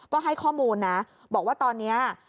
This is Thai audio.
ก็ให้ข้อมูลนะบอกว่าตอนนี้